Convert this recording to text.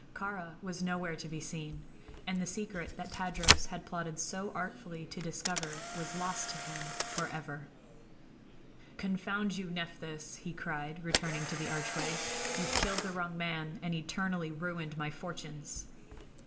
Kāra was nowhere to be seen, and the secret that Tadros had plotted so artfully to discover was lost to him forever. "Confound you, Nephthys!" he cried, returning to the archway, "you've killed the wrong man and eternally ruined my fortunes!"